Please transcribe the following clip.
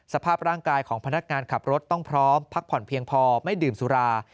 สภาพร่างกายของพนักงานขับรถต้องพร้อมพักผ่อนเพียงพอไม่ดื่มสุรา